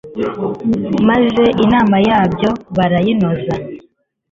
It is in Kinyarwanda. maze inama yabyo barayinoza